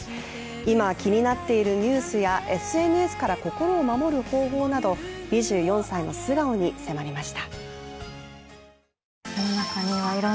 今、気になっているニュースやＳＮＳから心を守る方法など２４歳の素顔に迫りました。